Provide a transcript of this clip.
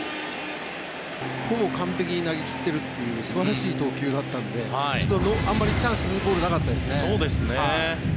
ほぼ完璧に投げ切っているという素晴らしい投球だったのであんまりチャンスボールじゃなかったですね。